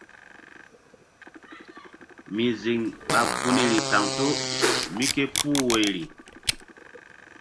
Mi ziŋ ɓa gunri kaŋto mí ké puh woirii.